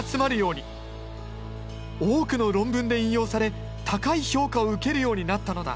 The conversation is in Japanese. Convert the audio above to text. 多くの論文で引用され高い評価を受けるようになったのだ。